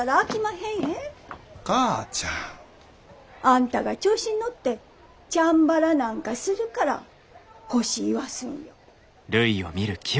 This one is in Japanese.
あんたが調子に乗ってチャンバラなんかするから腰いわすんよ。